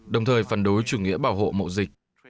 đồng thời phản đối chủ nghĩa bảo hộ mậu dịch